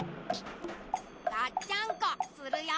がっちゃんこするよ。